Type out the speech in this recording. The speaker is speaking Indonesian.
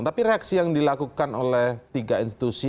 tapi reaksi yang dilakukan oleh tiga institusi